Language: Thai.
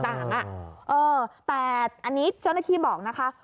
แต่อันนี้เจ้าหน้าที่บอกนะคะ